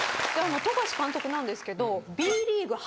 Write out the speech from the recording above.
富樫監督なんですけど。